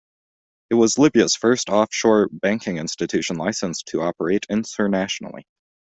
It was Libya's first offshore banking institution licensed to operate internationally.